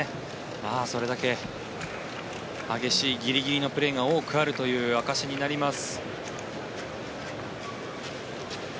それだけ激しいギリギリのプレーが多くあるという証しになります。